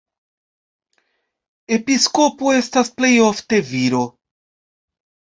Episkopo estas plej ofte viro.